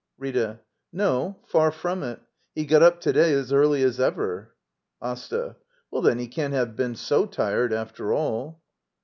Rita. No; far from it. He got up to day as early as ever. Asta. Well, then, he can't have been so tired, after all.